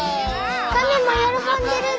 カメも喜んでるで！